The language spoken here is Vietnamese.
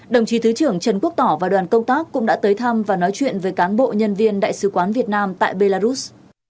đồng chí thứ trưởng trần quốc tỏ và đoàn công tác cũng đã tới thăm và nói chuyện với cán bộ nhân viên đại sứ quán việt nam tại belarus